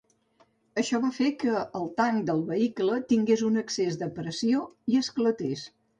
Això va fer que el tanc del vehicle tingués un excés de pressió i esclatés.